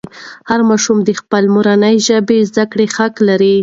هر ماشوم د خپلې مورنۍ ژبې زده کړه حق لري.